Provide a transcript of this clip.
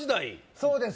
そうです